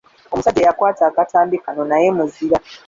Omusajja eyakwata akatambi kano naye muzira.